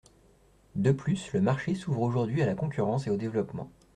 De plus, le marché s’ouvre aujourd’hui à la concurrence et au développement.